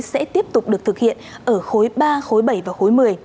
sẽ tiếp tục được thực hiện ở khối ba khối bảy và khối một mươi